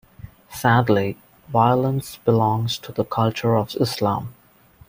Sadly, violence belongs to the culture of Islam.